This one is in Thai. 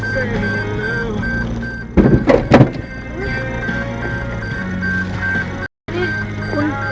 สวัสดีครับที่ได้รับความรักของคุณ